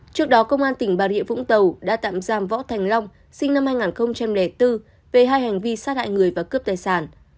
trước đó công an tỉnh bà rịa vũng tàu đã tạm giam võ thành long sinh năm hai nghìn bốn về hai hành vi sát hại người và cướp tài sản